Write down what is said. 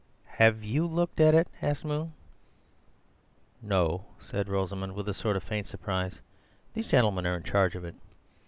"Have you looked at it?" asked Moon. "No," said Rosamund, with a sort of faint surprise; "these gentlemen are in charge of it."